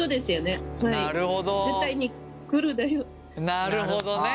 なるほどね。